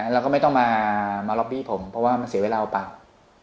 แล้วก็ไม่ต้องมาล็อบบี้ผมเพราะว่ามันเสียเวลาเปล่า